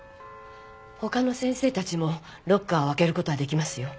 他の先生たちもロッカーを開ける事はできますよ。